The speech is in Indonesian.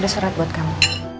ada surat buat kamu